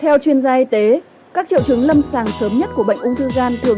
theo chuyên gia y tế các triệu chứng lâm sàng sớm nhất của bệnh ung thư gan là bệnh ung thư gan